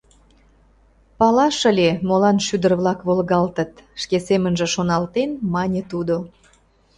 — Палаш ыле, молан шӱдыр-влак волгалтыт, — шке семынже шоналтен, мане тудо.